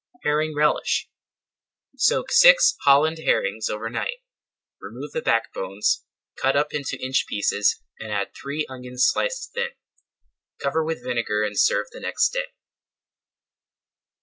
HERRING RELISH Soak six Holland herrings over night. Remove the backbones, cut up into inch pieces, and add three onions sliced thin. Cover with vinegar and serve the next day.